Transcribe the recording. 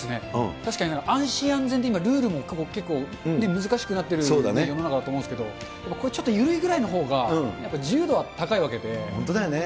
確かに安心・安全ってルールも結構難しくなってる世の中だと思うんですけど、やっぱりこういうちょっと緩いぐらいのほうが、やっぱ自由度は高本当だよね。